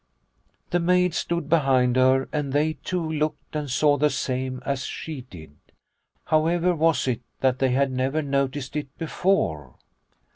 The maids stood behind her and they, too, looked and saw the same as she did. However was it that they had never noticed it before